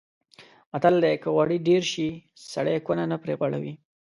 متل دی: که غوړي ډېر شي سړی کونه نه پرې غوړوي.